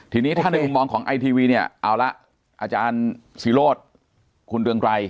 ทีนี้ถ้าในมุมมองของไอทีวีเนี่ยเอาละอาจารย์ศิโรธคุณเรืองไกร